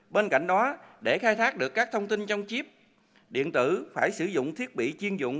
bên cạnh đó để khai thác được các thông tin trong chip điện tử phải sử dụng thiết bị chiên dụng